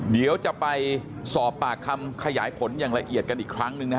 เดี๋ยวจะไปสอบปากคำขยายผลอย่างละเอียดกันอีกครั้งหนึ่งนะฮะ